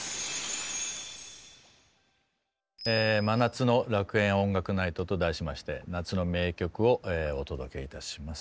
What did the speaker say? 真夏の「楽園音楽ナイト！」と題しまして夏の名曲をお届けいたします。